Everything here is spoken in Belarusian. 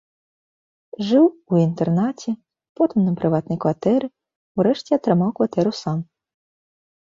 Жыў у інтэрнаце, потым на прыватнай кватэры, урэшце атрымаў кватэру сам.